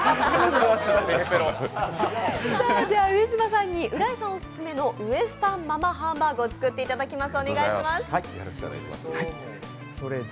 上島さんに浦井さんオススメのウエスタンママハンバーグを作っていただきます。